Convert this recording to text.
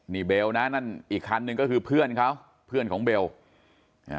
นี่เบลนะนั่นอีกคันหนึ่งก็คือเพื่อนเขาเพื่อนของเบลอ่า